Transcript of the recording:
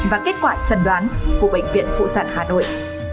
và kết quả trần đoán của bệnh viện phụ sản hà nội